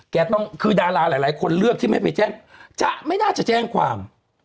ต้องคือดาราหลายคนเลือกที่ไม่ไปแจ้งจ๊ะไม่น่าจะแจ้งความ